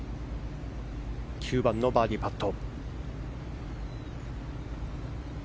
９番、バーディーパット。